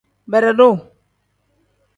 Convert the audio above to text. Beredu.